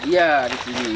iya di sini